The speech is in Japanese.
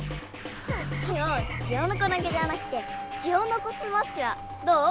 ソヨ「ジオノコ投げ」じゃなくて「ジオノコスマッシュ」はどう？